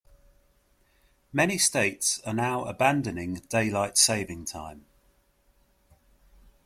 Many states are now abandoning Daylight Saving Time.